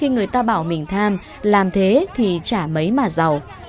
người ta bảo mình tham làm thế thì trả mấy mà giàu